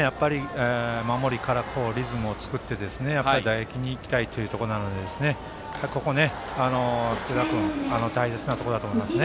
守りからリズムを作って打撃に行きたいというところなのでここは福田君、大切なところだと思います。